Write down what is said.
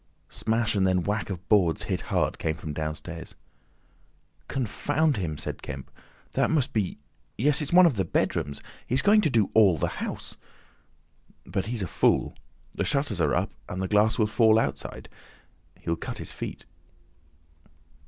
Smash, and then whack of boards hit hard came from downstairs. "Confound him!" said Kemp. "That must be—yes—it's one of the bedrooms. He's going to do all the house. But he's a fool. The shutters are up, and the glass will fall outside. He'll cut his feet."